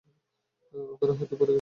ওখানে হয়তো পড়ে গেছে।